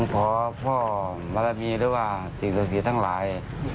ขอพ่อมรมีหรือว่าสิ่งต่อผิดทั้งหลาย